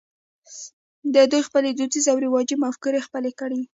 دوی خپلې دودیزې او رواجي مفکورې خپرې کړې.